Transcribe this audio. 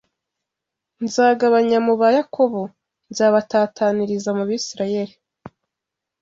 Nzabagabanya mu ba Yakobo. Nzabatataniriza mu Bisirayeli